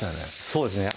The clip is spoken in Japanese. そうですね